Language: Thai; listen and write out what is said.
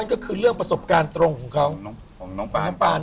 นั่นก็คือเรื่องประสบการณ์ตรงของเขา